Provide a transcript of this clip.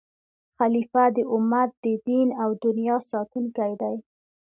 خلیفه د امت د دین او دنیا ساتونکی دی.